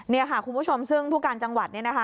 นี่ค่ะคุณผู้ชมซึ่งผู้การจังหวัดเนี่ยนะคะ